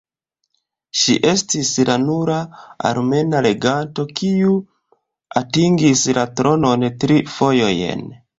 Ŝi estis la nura armena reganto kiu atingis la tronon tri fojojn.